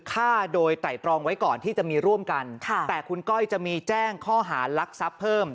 ฆ่าโดยไตรตรองไว้ก่อนที่จะมีร่วมกันค่ะแต่คุณก้อยจะมีแจ้งข้อหารักทรัพย์เพิ่ม